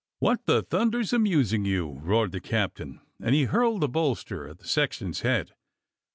"What the thunder's amusing you?" roared the captain; and he hurled the bolster at the sexton's head.